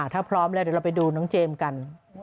ถ้าพร้อมแล้วเดี๋ยวเราไปดูน้องเจมส์กัน